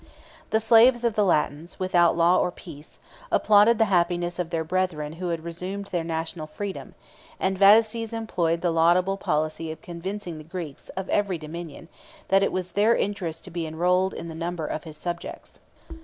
5 The slaves of the Latins, without law or peace, applauded the happiness of their brethren who had resumed their national freedom; and Vataces employed the laudable policy of convincing the Greeks of every dominion that it was their interest to be enrolled in the number of his subjects.